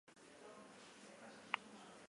Hala ere, martxan jarri beharko dugu, derrigorrez.